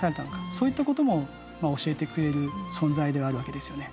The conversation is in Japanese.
そういったことも教えてくれる存在ではあるわけですよね。